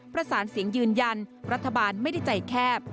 ประสานเสียงยืนยันรัฐบาลไม่ได้ใจแคบ